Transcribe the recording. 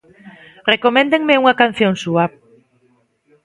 Recoméndenme unha canción súa.